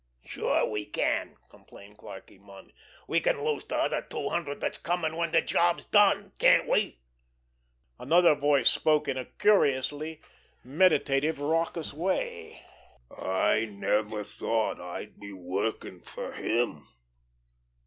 "Sure, we can!" complained Clarkie Munn. "We can lose de other two hundred dat's comin' when de job's done, can't we?" Another voice spoke in a curiously meditative, raucous way: "I never thought I'd be workin' fer him.